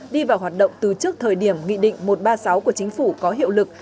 đi vào hoạt động từ trước thời điểm nghị định một trăm ba mươi sáu của chính phủ có hiệu lực